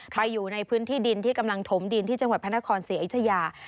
ไปอยู่ในพื้นที่ดินที่กำลังถมดินที่จังหวัดพระนครศรีอยุธยา